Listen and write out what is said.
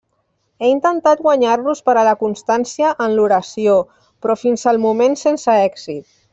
He intentat guanyar-los per a la constància en l'oració, però fins al moment sense èxit.